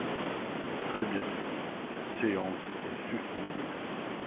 Très bien ! La séance est suspendue.